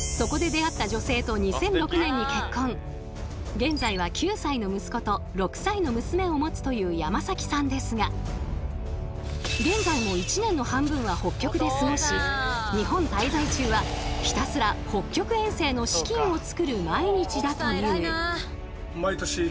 現在は９歳の息子と６歳の娘を持つという山崎さんですが現在も一年の半分は北極で過ごし日本滞在中はひたすら北極遠征の資金をつくる毎日だという。